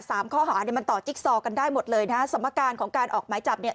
สามข้อหาเนี่ยมันต่อจิ๊กซอกันได้หมดเลยนะสมการของการออกหมายจับเนี่ย